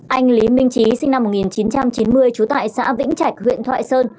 anh lý minh trí sinh năm một nghìn chín trăm chín mươi trú tại xã vĩnh trạch huyện thoại sơn